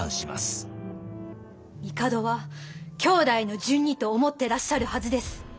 帝は兄弟の順にと思ってらっしゃるはずです。